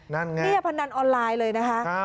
นี่พนันออนไลน์เลยนะคะ